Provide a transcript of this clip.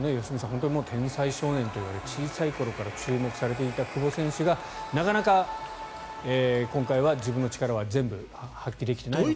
本当に天才少年といわれ小さい頃から注目されていた久保選手がなかなか今回は自分の力は全部発揮できていないと。